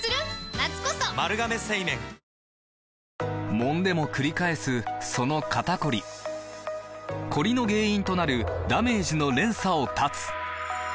もんでもくり返すその肩こりコリの原因となるダメージの連鎖を断つ！